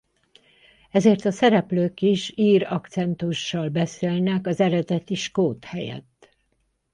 Ezért a szereplők is ír akcentussal beszélnek az eredeti skót helyett.